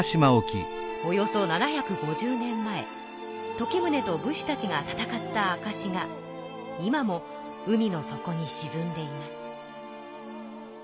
およそ７５０年前時宗と武士たちが戦ったあかしが今も海の底にしずんでいます。